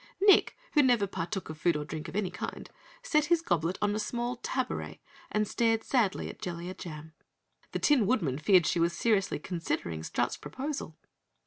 Nick, who never partook of food or drink of any kind, set his goblet on a small tabouret and stared sadly at Jellia Jam. The Tin Woodman feared she was seriously considering Strut's proposal.